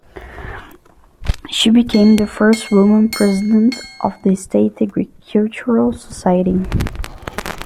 She became the first woman president of the State Agricultural Society.